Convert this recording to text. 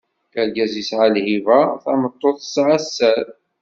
Argaz yesɛa lhiba, tameṭṭut tesɛa sser.